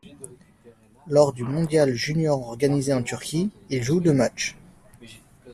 Lors du mondial junior organisé en Turquie, il joue deux matchs.